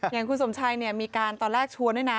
อย่างคุณสมชัยมีการตอนแรกชวนด้วยนะ